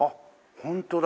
ホントだ。